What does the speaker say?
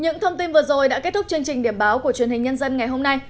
những thông tin vừa rồi đã kết thúc chương trình điểm báo của truyền hình nhân dân ngày hôm nay